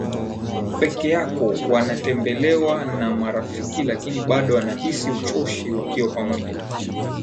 peke yao Wanatembelewa na marafiki lakini bado wanahisi uchoshi wakiwa pamoja